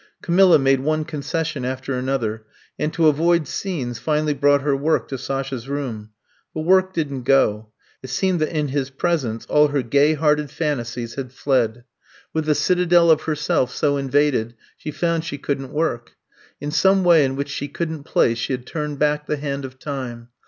Camilla made one concession after an other, and to avoid scenes finally brought her work to Sasha's room. But work didn't go; it seemed that in his presence all her gay hearted phantasies had fled. 164 I'VE COME TO STAY 165 With the citadel of herself so invaded she found she could n 't work. In some way in which she could n 't place she had turned back the hand of time.